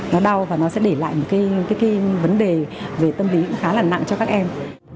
nó đau và nó sẽ để lại một cái vấn đề về tâm lý khá là nặng cho các em